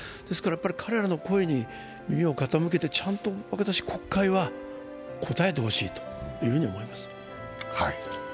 彼らの声に耳を傾けてちゃんと国会は応えてほしいと思います。